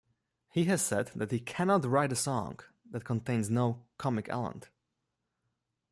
He has said that he cannot write a song that contains no comic element.